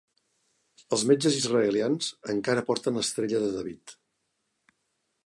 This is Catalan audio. Els metges israelians encara porten l'estrella de David.